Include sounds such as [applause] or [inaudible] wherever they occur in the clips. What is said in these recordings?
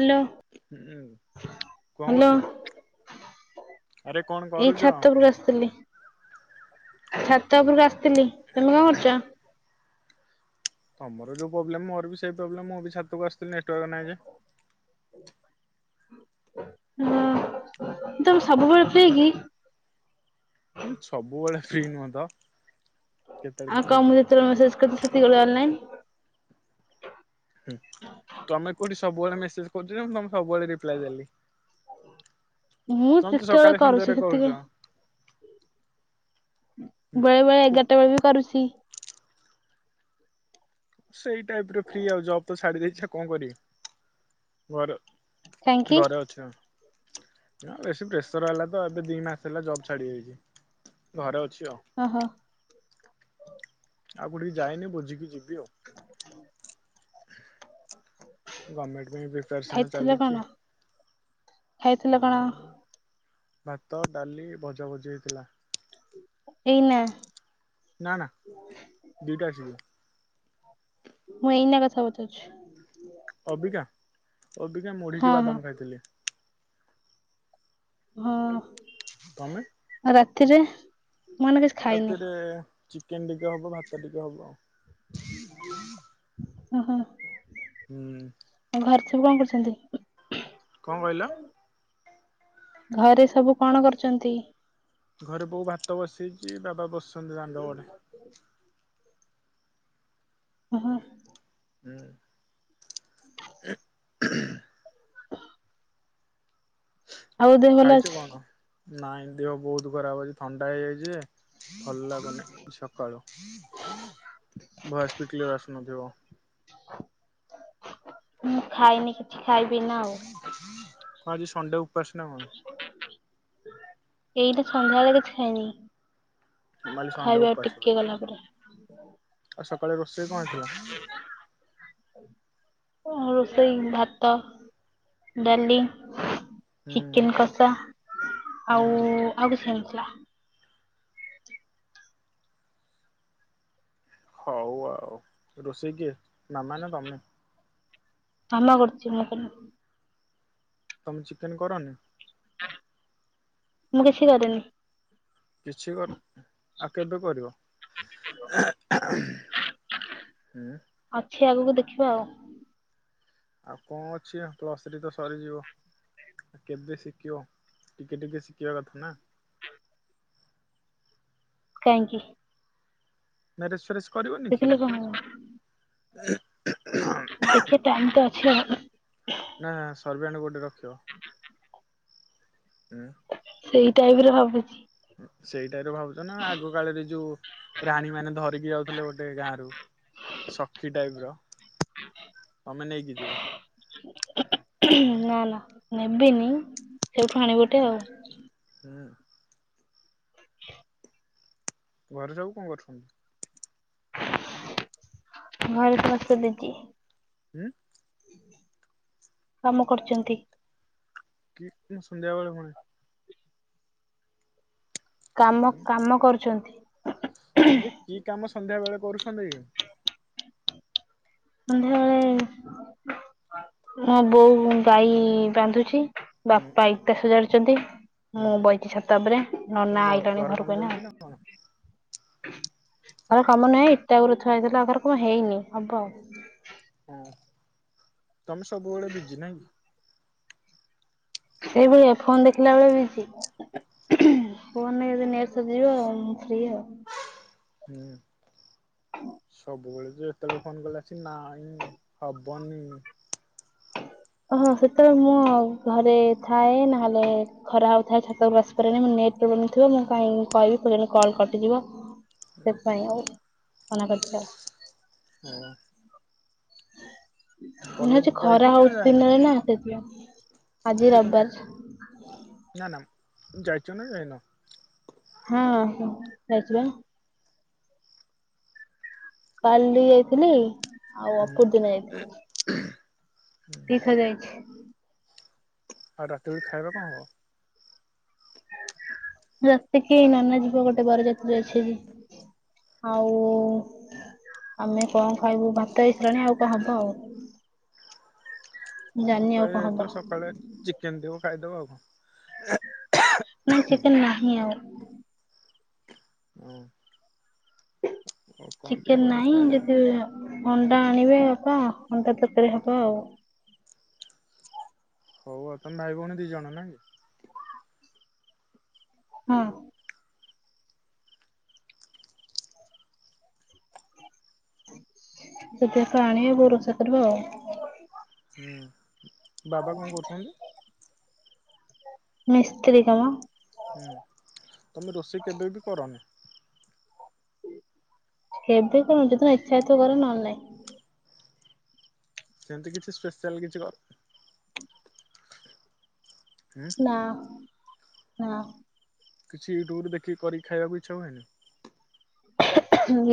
Hello. ହୁଁ କଣ କରୁଚ? ଆରେ କଣ ଏଇ କରୁଚ? ଛାତ ଉପରକୁ ଆସିଥିଲି ଛାତ ଉପରକୁ ଆସିଥିଲି। ତମେ କଣ କରୁଛ? ତମର ଜଉ ପ୍ରୋବଲେମ ମୋର ବି ସେଇ ପ୍ରୋବଲେମ ମୁଁ ବି ଛାତକୁ ଆସିଥିଲି ନେଟୱାର୍କ ନାହିଁ ଯେ। [inaudible] ଓ ତମେ ସବୁବେଳେ ଫ୍ରୀ କି? ଉ ସବୁବେଳେ ଫ୍ରି ନୁହଁ ତ ଆଉ କେତେବେଳେ କଣ କେମିତି ମୁଁ ଫ୍ରି। ଯେତେବେଳେ ମସେଜ କରୁଛି ସେତିକି ବେଳେ ଅନଲାଇନ୍। ହୁଁ ତମେ କୋଉଠି ସବୁବେଳେ ମେସେଜ କରୁଚ ଯେ ମୁଁ ତମକୁ ସବୁବେଳେ ରିପ୍ଲାଏ ଦେଲି। ମୁଁ ତମେ ତ ଯେତେବେଳେ ସକାଳେ କରୁଛି ସନ୍ଧ୍ୟାରେ ସେତିକି କରୁଚ। ବେଳେ ବେଳେ ହୁଁ ଏଗାରଟା ବେଳେ ବି କରୁଛି। ସେଇ ଟାଇପ ର ଫ୍ରି ଆଉ ଜବ୍ ତ ଛାଡି ଦେଇଛି ଆଉ କଣ କରିବି ଘର କାହିଁକି ଘରେ ଅଛି ଆଉ। ନା ବେଶୀ ପ୍ରେସର ହେଲା ତ ଏବେ ଦିଇ ମାସ ହେଲା ଜବ୍ ଛାଡି ଯାଇଛି ଘରେ ଅଛି ଆଉ। ଓ ହୋ। ଆଉ କଉଠିକି ଯାଇନି ବୁଝିକି ଯିବି ଆଉ। ଗମେଣ୍ଟ ପାଇଁ ପ୍ରିପେୟାରସନ ଖାଇଥିଲ କଣ ଚାଲିଛି। ଖାଇଥିଲ କଣ? ଭାତ ଡାଲି ଭଜାଭଜି ହେଇଥିଲା। ଏଇନା ନା ନା ଦିଟା ଆସିକି। ମୁଁ ଏଇନା କଥା ପଚାଉଛି। ଅବିକା ଅବିକା ହଁ ମୁଢ଼ିକି ହଁ ବାଦାମ ଖାଇଥିଲି। ହଁ। ତମେ? ଆଉ ରାତିରେ ମୁଁ ଏଇନା କିଛି ଖାଇନି ରାତିରେ ଚିକେନ ଟିକେ ହବ ଭାତ ଟିକେ ହବ ଆଉ। ଓ ହୋ। ହୁଁ। ଆ ଘରେ ସବୁ କଣ କରୁଛନ୍ତି? କଣ କହିଲ ଘରେ ସବୁ କଣ କରୁଛନ୍ତି? ଘରେ ବୋଉ ଭାତ ବସେଇଛି ବାବା ବସଛନ୍ତି ଦାଣ୍ଡ ବଡ଼େ। ଓହଁ। ହୁଁ। ହ [inaudible] ଭଲ ଖାଇଛୁ ଅଛି? କଣ ନାଇଁ ଦେହ ବହୁତ ଖରାପ ଅଛି ଥଣ୍ଡା ହେଇଯାଇଛି ଯେ। ଭଲ ଲାଗୁନି ସକାଳୁ ଭୟସ ବି କାଲିର ଆସୁନଥିବ। ମୁଁ ଖାଇନି କିଛି ଖାଇବି ଏଇଟା ଆଉ। କଣ ଆଜି ସଣ୍ଡେ ଉପାସନା କଣ? ଏଇଟା ସନ୍ଧ୍ୟାବେଳେ କିଛି ଖାଇନି। ମୁଁ ଭାବିଲି ସଣ୍ଡେ ଖାଇବା ଆଉ ଉପାସ ଟିକେ ବୋଲି ଗଲା ପରେ। ଆଉ ସକାଳେ ରୋଷେଇ କଣ ହେଇଥିଲା? ରୋଷେଇ ଭାତ ଡାଲି ହୁଁ ଚିକେନ କଷା ଆଉ ହୁଁ ଆଉ କିଛି ହେଇନଥିଲା। ହଉ ଆଉ ରୋଷେଇ କିଏ ମାମା ନା ତମେ? ମାମା କରୁଛି। ତମେ ଚିକେନ କରନି। ମୁଁ କିଛି କରିନି। କିଛି ଗଣ [unintelligible] ଆଉ କେବେ କରିବ? ଅଛି ଆଗକୁ ଦେଖିବା ଆଉ। ଆଉ କଣ ଅଛି ପ୍ଲସ ଥ୍ରୀ ତ ସରିଯିବ। କେବେ ଶିଖିବ ଟିକେ ଟିକେ ଶିଖିବା କଥା ନା। କାଇଁକି। ମ୍ୟାରେଜ ଫ୍ୟାରେଜ କରିବନି ଦେଖିଲେ କଣ ହବ କି? ଦେଖି ତ ଟାଇମ ତ ଅଛି ଆଉ। ନା ସର୍ବିଆଣ୍ଡ୍ ଗୋଟେ ରଖିବ। ହା। ସେଇ ଟାଇପିରେ ଭାବୁଛି। ସେଇଟାରୁ ଭାବୁଛ ନା ଆଗ କାଳରେ ଯୋଉ ରାଣୀ ମାନେ ଧରିକି ଯାଉଥିଲେ ଗୋଟେ ଗାଁ ରୁ। ସଖି ଟାଇପ ର ତମେ ନେଇକି ଯିବ। ହୁଁ ନା ନା ନେବିନି ସେଇଠୁ ଆଣିବି ଗୋଟେ ଆଉ। ହୁଁ। ଘରେ ସବୁ କଣ କରୁଛନ୍ତି? ଘରେ ସମସ୍ତେ ବିଜି। ହୁଁ। କାମ କରୁଛନ୍ତି। କି [unintelligible] ମୁଁ ସଂଧ୍ୟାବେଳେୁ ପୁଣି କାମ, କାମ କରୁଚନ୍ତି। ହଁ ଯେ କି କାମ ସନ୍ଧ୍ୟା ବେଳେ କରୁଛନ୍ତି? ସନ୍ଧ୍ୟାବେଳେ, ମୋ ବୋଉ ଗାଈ ବାନ୍ଧୁଛି ହୁଁ ବାପା ଇଟା ସଜାଡୁଛନ୍ତି। ମୁଁ ହୁଁ ବଇଚି ଛତ ଉପରେ, ନନା କଣ ଆଇଲାଣି ଘର କାମ ଘରକୁ ଏନା। ଚାଲିଛି ନା କଣ ଘର କାମ ନାଇଁ ଇଟା ଗୁରା ଥୁଆହେଇଥିଲା ଘରକୁ ହେଇନି ହବ। ହଁ, ତମେ ସବୁବେଳେ ବିଜି ନାଇଁ କି? ସେଇଭଳି ଏ ଫୋନ୍ ଦେଖିଲା ବେଳେ ବିଜି। ଫୋନ୍ ରେ ଯଦି ନେଟ୍ ସରି ଯିବ ଆଉ, ମୁଁ ଫ୍ରି ଆଉ। ହୁଁ, ସବୁବେଳେ ତ ଯେତେବେଳେ ଫୋନ୍ କଲେ, ଆସି ନାଇଁ। ହବନି। ଓହୋ ସେତେବେଳେ, ମୁଁ ଆଉ ଘରେ ଥାଏ, ନହେଲେ ଖରା ହଉଥାଏ ଛାତକୁ ଆସିପରେନି ମୋ ନେଟ୍ ପ୍ରୋବ୍ଲେମ ଥିବ। ମୁଁ କାହିଁ କହିବି ପୁଣି କଲ୍ କଟିଯିବ। ସେଥି ପାଇଁ ଆଉ, ମନା କରି ଥିଲେ। ହଁ। ହୁଁ କଲେଜ ଆଜି ଖରା ଯାଇଥିଲ ନା ହୋଉଛି ଯାଇନ ଦିନରେ ନା ସେଥି ପାଇଁ। ଏବେ ତ ନାଇ, ନା ନା ଯାଇଛ ନା ଯାଇନ? ହଁ, ଯାଇଛି ବା। କାଲି ଯାଇଥିଲି। ଆଉ ଅପର [unintelligible] ଟିଖା ଯାଇଛି। ଆଉ ରାତିବେଳେ ଖାଇବା କଣ ହବ? ରାତିକି ନାନା ଯିବ ଗୋଟେ ବରଯାତ୍ରୀ ଅଛି ଆଜି। ଆଉ,, ଆମେ କଣ ଖାଇବୁ, ଭାତ ହେଇସାଇଲାଣି ଆଉ କଣ ହବ ଆଉ। ମୁଁ ହଁ ଜାଣିନି ଭାତ ଆଉ କଣ ହବ ହେଇଯାଇଥିବ, ସକାଳେ ଚିକେନ୍ ଥିବ ଖାଇଦବ ଆଉ କଣ। ନାଇଁ ଚିକେନ୍ ନାହିଁ ଆଉ। ହୁଁ। ଆଉ କଣ ଟିକେ ଚିକେନ କରିକି ନାହିଁ ଖାଇଦେବ ଯଦି କଣ। ଅଣ୍ଡା ଆଣିବେ ବାପା, ଅଣ୍ଡା ତରକାରୀ ହବ ଆଉ। ହଉ ଆଉ। ତମେ ଭାଇ ଭଉଣୀ ଦି ଜଣ ନାଇକି? ହଁ। ସେଥିରେ ତ ଆଣିବେ ବୋଉ ରୋଷେଇ କରିବା ଆଉ। ହୁଁ। ବାବା କଣ କରୁଛନ୍ତି? ମିସ୍ତ୍ରୀ କାମ। ହୁଁ। ତମେ ରୋଷେଇ କେବେ ବି କରନି? କେବେ କଣ? ଯୋଉ ଦିନ ଇଛା ହେଇ ଥିବ କରେ, ନହେଲେ ନାଇଁ। ସେମିତି କିଛି ସ୍ପେଶିଆଲ କିଛି କ ହୁଁ। ନା ନା। କିଛି ୟୁଟ୍ୟୁବରୁ ଦେଖିକି କରିକି ଖାଇବାକୁ ଇଚ୍ଛା ହୁଏନି?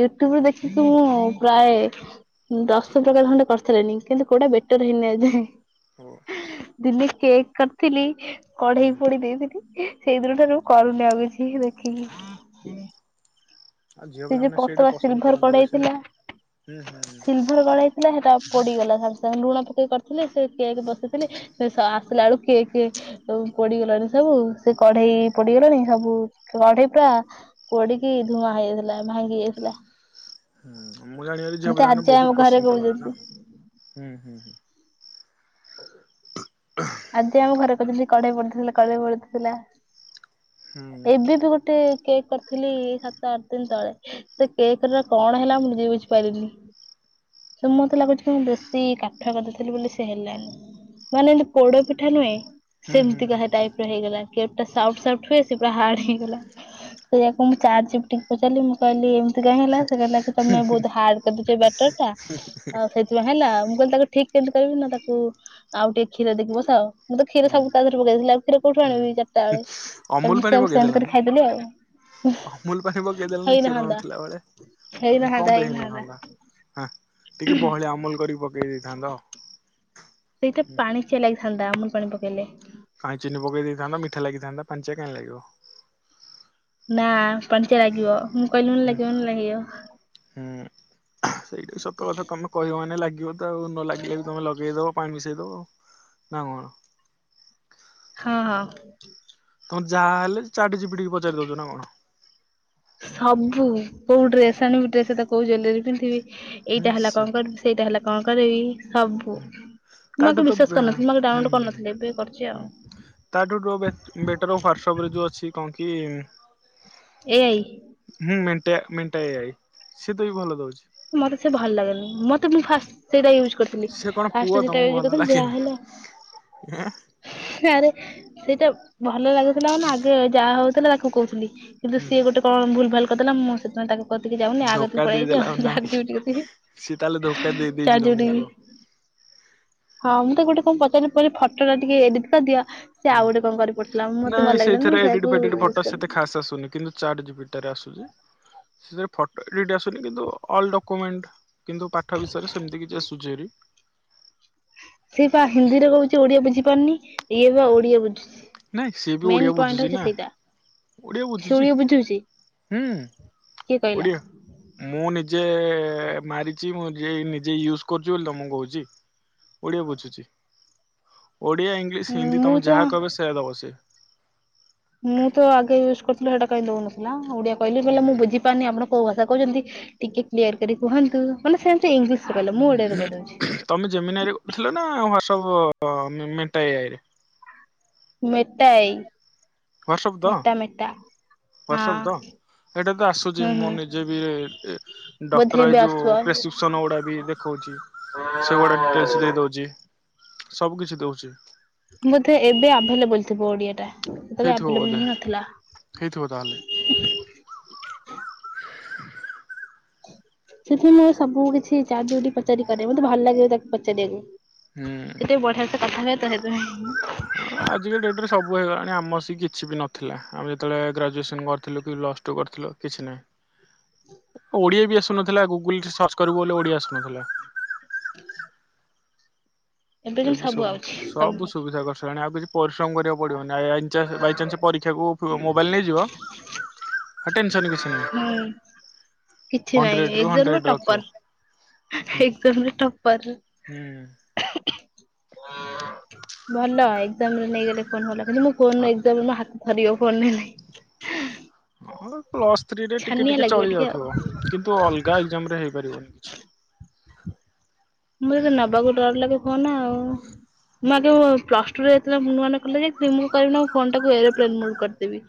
ୟୁଟ୍ୟୁବରୁ ଦେଖିକି ପ୍ରାଏ ଦଶ ପ୍ରକାର ଖଣ୍ଡେ କରିସାରି ଲିଣି, କିନ୍ତୁ କୋଉଟା ବେଟର ହେଇନି ଆଜି ଯାଏଁ। ହଉ ଦିନେ କେକ୍ କରିଥିଲି କଢେଇ ହୁଁ ପୋଡି ଦେଇଥିଲି। ସେଇ ଦିନଠାରୁ କରୁନି ଆଉ କିଛି ଦେଖିକି। ଆଉ ଝିଅ ସେ ଯୋଉ ପିଲାମାନେ ସେଇଟା ପତଳା ପସନ୍ଦ ସିଲ୍ଭର କରନ୍ତି କଢେଇ ବେଶୀ ନା। ଥିଲା, ହୁଁ ହୁଁ। ସିଲ ଭର୍, କଡ଼େଇ ଥିଲା ହେଟା ପୋଡିଗଲା ସାଙ୍ଗେ ସଙ୍ଗେ, ଲୁଣ ପକେଇ କରିଥିଲି ସେ କେକ୍ ବସେଇଥିଲି ସେ ସ ଆସିଲା ବେଳୁ କେକ୍ ପୋଡିଗଲାଣି ସବୁ ସେ କଢେଇ ପୋଡିଗଲାଣି ସବୁ କଢେଇ ପୁରା ପୋଡିକି ଧୂଆଁ ହୋଇଗଲା ଭାଙ୍ଗି ଯାଇଥିଲା। ହୁଁ ମୁଁ ଜାଣିବାରେ ଝିଅ ମତେ ପିଲା ଆଜି ମାନେ ଯାଏଁ ଆମ ବହୁତ ଘରେ ପସନ୍ଦ କରନ୍ତିୁ, ନା କହୁଛନ୍ତି। ହୁଁ ହୁଁ ହୁଁ ଆଜିଯାଏ ଆମ ଘରେ କହୁଛନ୍ତି କଢେଇ ପୋଡିଥିଲା କଢେଇ ପୋଡିଥିଲା। ହୁଁ ହୁଁ ଏବେ ବି ଗୋଟେ କେକ କରି ଥିଲି ସାତ ଆଠ ଦିନ ତଳେ ସେ କେକ ର କଣ ହେଲା ମୁଁ ନିଜେ ବୁଝିପାରିଲିନି। ତ ମତେ ଲାଗୁଛି ମୁଁ ବେଶୀ କାଠୁଆ କରିଦେଇଥିଲି ବୋଲି ସେ ହେଲାନି। ମାନେ ଏମିତି ପୋଡ ପିଠା ନୁହେଁ ହୁଁ ସେମତି କାହା ହୁଁ ଟାଇପ ର ହୋଇଗଲା କେକ୍ ଟା ସପ୍ଟ ହୁଏ। ସେ ପୁରା ହାର୍ଡ ହେଇଗଲା ସେଇ ୟାକୁ ମୁଁ ଚାର୍ଟଜିପିଟି କୁ ପଚାରିଲି ମୁଁ କହିଲି ଏମିତି କାଇଁ ହେଲା? ସେକହିଲା କି ତମେ ବହୁତ ହାର୍ଡ କରିଦେଇଛ ବ୍ୟାଟର ଟା, ଆଉ ସେ ହେଲା ମୁଁ କହିଲି ତାକୁ ଠିକ କେମିତି କରିବି ନା ତାକୁ ଆଉ ଟିକେ କ୍ଷୀର ଦେଇକି ବସାଅ ମୁଁ ତ କ୍ଷୀର ହୁଁ ସବୁ ତାଦେହରେ ପକେଇ ଦେଇଥିଲି ଆଉ କ୍ଷୀର କଉଠୁ ହୁଁ। ଆଣିବି, ରା ଅମୁଲ ପାଣି ପକେଇଦେଲନି। ଆଉ ଅମୁଲ ପାଣି ପକେଇଦେଲେଣି କ୍ଷୀର ହେଇନଥାନ୍ତା ନଥିଲା ବେଳେ ହେଇନଥାନ୍ତା କଣ ପାଈଁ ହେଇ ହେଇନଥାନ୍ତା [unintelligible] ହଁ ଟିକେ ବହଳିଆ ଅମୁଲ କରିକି ପକେଇ ଦେଇଥାନ୍ତ। ସେଇତ ପାଣି ଚିଆ ଲାଗିଥାନ୍ତା ଅମୁଲ ପାଣି ପକେଇଲେ। କାଇଁ ଚିନି ପକେଇ ଦେଇଥାନ୍ତ ମିଠା ଲାଗିଥାନ୍ତା ପାଣିଚିଆ କାଇଁ ଲାଗିବ। ନା ପାଣିଚିଆ ଲାଗିବ, ମୁଁ କହିଲି ମାନେ ହୁଁ ଲାଗିବ ମାନେ ଲାଗିବ। ହୁଁ ସେଇଟା ସତ କଥା ତମେ କହିବ ମାନେ ଲାଗିବ ତ ଆଉ ନ ଲାଗିଲେ ବି ତମେ ଲଗେଇଦବ। ପାଣି ମିଶେଇଦେବ ନା କଣ। ହଁ ହଁ। [unintelligible] ତମର ଯାହା ହେଲେ ଚାର୍ଟଜିପିଟି କୁ ପଚାରି ଦଉଛ ନା କଣ? ସବୁ କୋଉ ଡ୍ରେସ୍ ଆଣିବି ଡ୍ରେସ ତ କୋଉ ଜୁଏଲେରୀ ପିନ୍ଧିବି ଏଇଟା ହେଲା କଣ ନିଶ୍ଚୟ। କରିବି ସେଇଟା ହେଲେ କଣ କରିବି? ସବୁ ମୁଁ ତାଠୁ ଆଗେ ତ ବିଶ୍ୱାସ ବେ କରିନଥିଲି ମୁଁ ଆଗେ ହୁଁ ଡାଉନଲୋଡ ହୁଁ କରିନଥିଲି ଏବେ କରିଛି ହୁଁ ଆଉ। ତାଠୁ ତ ବେଟର ହ୍ଵାଟସପ ରେ ଯୋଉ ଅଛି କଣ କି ଏଆଇ ହଁ ମେଣ୍ଟ ମେଣ୍ଟା ଏ ଆଇ ସିଏ ତ ବି ଭଲ ଦୋଉଛି। ମତେ ସେ ଭଲ ଲାଗେନି, ମତେ ମୁଁ ଫାଷ୍ଟ ସେଇଟା ୟୁଜ କରିଥିଲି ସେ କଣ ପୁଅ ଫାଷ୍ଟ ତମକୁ ଯେତେବେଳେ ଭଲ କରିଥିଲି ଯାହା ଲାଗେନି ହେଲା ଏଁ ଆରେ ସେଇଟା ଭଲ ଲାଗୁଥିଲା ମାନେ ଆଗେ ଯାହା ହୋଉଥିଲା ତାକୁ କହୁଥିଲି। କିନ୍ତୁ ସିଏ ହୁଁ ଗୋଟେ କଣ ଭୂଲ ଭାଲ କରିଦେଲା, ମୁଁ ସେଥିପାଈଁ ତାକୁ କଥିକି ଯାଉନି, ୟା ଧୋକା କଥିକି ପଳେଇ ଆଇଚି ଦେଇଦେଲା ଆଉ। ନାଇଁ କି? ସିଏ ତାହେଲେ ଧୋକା ଦେଇ ଦେଇଛି ତମକୁ ଆଉ। [unintelligible] ହଁ ମୁଁ ତାକୁ ଗୋଟେ କଣ ପଚାରିଲି ଫୋଟୋ ଟା ଟିକେ ଏଡିଟ କରିଦ ହୁଁ ନାଇଁ ମୁଁ ସେଇଥିରେ ସେଇଆକୁ ଏଡିଟ ଫେଡିଟ ୟୁଜ୍ ଫଟୋ ସେତେ କଲିନି। ଖାସ୍ ଆସୁନି କିନ୍ତୁ ଚାର୍ଟଜିପିଟି ତାପରେ ଆସୁଛି ସେଥିରେ ଫୋଟୋ ଏଡିଟ ଆସୁନି କିନ୍ତୁ ଅଲ ଡକୁମେଣ୍ଟ କିନ୍ତୁ ପାଠ ବିଷୟରେ ସେମିତି କିଛି ଆସୁଚିଭାରି। ସେ ବା ହିନ୍ଦୀରେ କହୁଚି ଓଡିଆ ବୁଝି ପାରୁନି ଇଏବି ଓଡିଆ ବୁଝୁଚି। ନାଇଁ ସିଏ ବି ଓଡ଼ିଆ ବୁଝୁଚି ନା। ଓଡିଆ ବୁଝୁଛି ହୁଁ କିଏ କହିଲା ଓଡିଆ ମୁଁ ନିଜେ ମାରିଛି ମୁଁ ନିଜେ ୟୁଜ୍ କରୁଚି ବୋଲି ତମକୁ କୋହୁଚି। ଓଡିଆ ବୁଝୁଚି ଓଡିଆ, ଇଂଲିଶ, ହିନ୍ଦୀ ମୁଁ ତମେ ତ ଯାହା କହିବ ସେୟା ଦବ ସେ। ମୁଁ ତ ଆଗେ ୟୁଜ କରୁଥିଲି ହେଇଟା କାଇଁ ଦଉନଥିଲା, ଓଡିଆ କହିଲେ ମୁଁ ବୁଝିି ବୁଝିପାରୁନି ଆପଣ କୋଉ ଭାଷ କହୁଛନ୍ତି ଟିକେ କ୍ଲିୟର କରି କୁହନ୍ତୁ ମାନେ ସେ ଇଂଲିଶରେ କହିଲା ମୁଁ ଓଡିଆରେ କହିଦୋଉଚି। ତୁମେ ଜେମିନାଇ ଆଇରେ କରୁଥିଲ ନା ହାଟ୍ସପ୍ ମେଟା ଏ ଆଇ ରେ? ମେଟା ଆଇ ହ୍ୱାଟ୍ସଆପ୍ ତ ମେଟା ମେଟା ହଁ। ସେଇଟା ତ ଆସୁଚି ହୁଁ ମୁଁ ହୁଁ ନିଜେ ବି ବୋଧେ ଡକ୍ଟର ଏଇ ଏବେ ଯୋଉ ଆସୁଥିବ। ପ୍ରେସକ୍ରିପସନ ଗୁଡା ବି ଦେଖଉଚି। ସେଗୁଡା ଡିଟେଲସ ଦେଇ ଦୋଉଚି ସବୁ କିଛି ଦୋଉଚି। ବୋଧେ ଏବେ ଆଭେଲେବଲ ଥିବ ଓଡିଆ ଟା। ସେତେବେଳେ ହେଇଥିବ ଆଭେଲେବଲ ବୋଧେ, ହିଁ ନଥିଲା। ହେଇଥିବ ତା ହେଲେ। ସେଥିପାଇଁ ସବୁ କିଛି ଚାଟଜିପିଟି ପଚାରି କରେ ମୋତେ ଭଲ ଲାଗେ ତାକୁ ପଚାରିବାକୁ। ହୁଁ କେତେ ବଢିଆ ସେ କଥା ହୁଏ ତ ସେଥିପାଇଁ [unintelligible] [inaudible] ଆଜିକା ଡେଟ୍ ରେ ସବୁ ହୋଇଗଲାଣି ଆମ ବସିକି କିଛି ବି ନ ଥିଲା ଆମେ ଯେତେବେଳେ ଗ୍ରାଜୁଏସନ୍ କରିଥିଲୁ କି ପ୍ଲସ୍ ଟୁ କରିଥିଲୁ କିଛି ନାହିଁ। ଓଡିଆ ବି ଆସୁନଥିଲା ଗୁଗୁଲ ରେ ସର୍ଚ୍ଚ କରିବୁ ବୋଲି ଓଡିଆ ଆଶୁନଥିଲା। [inaudible] ଏବେ ସବୁ ସବୁ ସୁବିଧା କରିସାରିଲାଣି ଆଉ କିଛି ପରିଶ୍ରମ କରିବାକୁ ପଡିବନି ଆ- ଆଇ ବାଇ ବାଇଚାନ୍ସ ପରୀକ୍ଷାକୁ ମୋବାଇଲ ନେଇଯିବ ଆଉ ଟେନ୍ସନ କିଛି ନାଇଁ ହୁଁ। କିଛି ନାହିଁ ହଣ୍ଡ୍ରେଡ ରୁ ହଣ୍ଡ୍ରେଡ ରଖିବ। ଏକଦମରେ ଟପ୍ପର। ହୁଁ। ଭଲ। [unintelligible] ନେଇଗଲେ ଫୋନ୍ ଭଲ କିନ୍ତୁ ମୁଁ ନେଇଗଲେ ହାତ ଥରିବ ଫୋନ୍ ନେଲେ। ହଁ, ପ୍ଲସଥ୍ରୀ ଟିକେ ଛାନିଆ ଟିକେ ଲାଗିବ ଚଳି ଆଉ। ଯାଉଥିବ କିନ୍ତୁ ଅଲଗା ଏକ୍ଜାମ ରେ ହେଇପାରିବନି କିଛି। ମୁଁ ଯତେ ନବାକୁ ଡର ଲାଗେ ଫୋନ ଆଉ। ମୁଁ ଆଗେ ପ୍ଲସ ଟୁ ରେ ଯେତେବେଳେ ନୁଆ ନୁଆ କଲେଜ ଯାଇଥିଲି ମୁଁ କଣ କରେନା ଫୋନ୍ ଟାକୁ ଏରୋପ୍ଲେନ୍ ମୋଡ କରିଦେ ଦେବି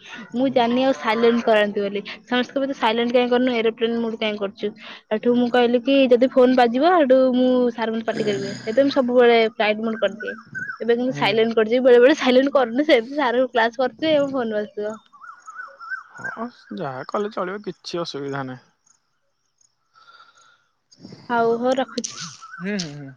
ମୁଁ ଜାଣିନି ଆଉ ସାଇଲେଣ୍ଟ କରନ୍ତି ବୋଲି, ସମସ୍ତେ କହନ୍ତି ତୁ ସାଇଲେଣ୍ଟ କାଇଁ କରୁନୁ ଏରୋପ୍ଲେନ ମୋଡ୍ କାଇଁ କରୁଚୁ, ଏଠୁ ମୁଁ କହିଲି କି ଯଦି ଫୋନ ବାଜିବ ହେଠୁ ମୁଁ ସାର୍ ମତେ ପାଟି କରିବେ ଏବେ ସବୁବେଳେ ଫ୍ଲାଇଟ୍ ମୋଡ୍ କରିଦିଏ। ଏବେ କିନ୍ତୁ ହୁଁ ସାଇଲେଣ୍ଟ ବେଳେ ବେଳେ ସାଇଲେଣ୍ଟ କରୁନି ସେମିତି ସାର୍ ଙ୍କ କ୍ଲାସ କରଥିବି ମୋ ଫୋନ୍ ବାଜୁଥିବ। ହଁ, ଯାହା କଲେ ଚଳିବ କିଛି ଅସୁବିଧା ନାହିଁ। ହଉ ହଉ ରଖୁଛି। ହୁଁ ହୁଁ ହୁଁ।